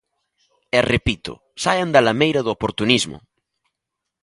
E, repito: ¡saian da lameira do oportunismo!